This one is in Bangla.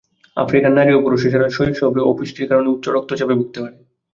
আফ্রিকার নারী ও পুরুষেরা শৈশবে অপুষ্টির কারণে উচ্চ রক্তচাপে ভুগতে পারে।